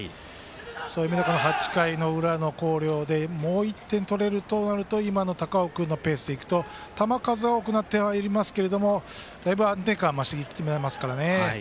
そういう意味では８回裏の広陵でもう１点取れるとなると今の高尾君のペースでいくと球数は多くなってますがだいぶ安定感増してきていますからね。